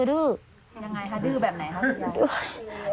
ยังไงคะดื้อแบบไหนครับ